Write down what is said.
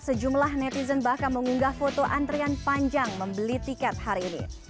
sejumlah netizen bahkan mengunggah foto antrian panjang membeli tiket hari ini